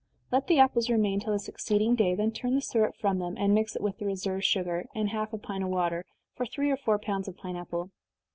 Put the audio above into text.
Let the apples remain till the succeeding day then turn the syrup from them, and mix it with the reserved sugar, and half a pint of water, for three or four pounds of pine apple.